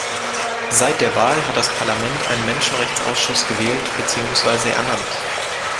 Seit der Wahl hat das Parlament einen Menschenrechtsausschuss gewählt beziehungsweise ernannt.